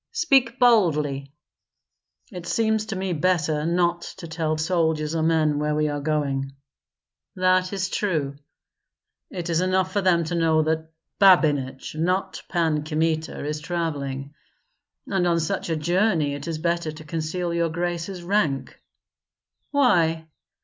"Speak boldly." "It seems to me better not to tell soldiers or men where we are going." "That is true." "It is enough for them to know that Babinich, not Pan Kmita, is travelling. And on such a journey it is better to conceal your grace's rank." "Why?"